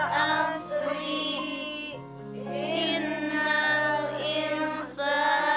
sampai jumpa di video selanjutnya